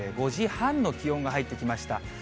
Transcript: ５時半の気温が入ってきました。